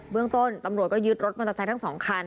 เรื่องต้นตำรวจก็ยึดรถมอเตอร์ไซค์ทั้ง๒คัน